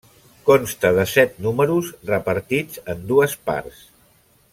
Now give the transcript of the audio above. Consta de set números, repartits en dues parts.